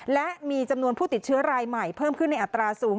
และมีจำนวนผู้ติดเชื้อรายใหม่เพิ่มขึ้นในอัตราสูง